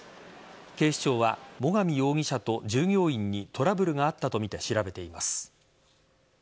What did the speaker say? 警視庁は最上容疑者と従業員にトラブルがあったとみて調べています。